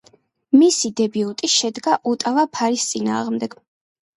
მისი დებიუტი შედგა „ოტავა ფარის“ წინააღმდეგ.